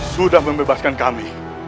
sudah membebaskan kami